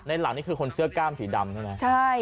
หลังนี่คือคนเสื้อกล้ามสีดำใช่ไหม